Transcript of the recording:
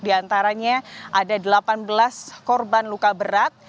diantaranya ada delapan belas korban luka berat